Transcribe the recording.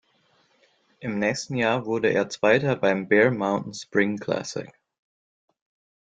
Im nächsten Jahr wurde er Zweiter beim Bear Mountain Spring Classic.